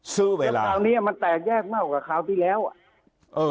คือคราวเนี้ยมันแตกแยกมากกว่าคราวที่แล้วอ่ะเออ